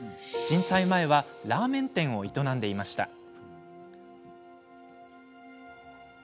震災前はラーメン店を営んでいました。